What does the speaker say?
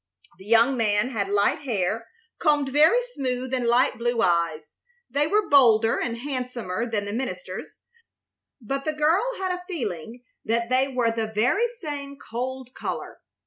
The young man had light hair, combed very smooth, and light blue eyes. They were bolder and handsomer than the minister's, but the girl had a feeling that they were the very same cold color.